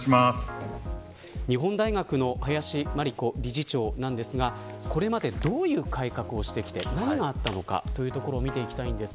日本大学の林真理子理事長なんですがこれまでどういう改革をしてきて何があったのかというところを見ていきます。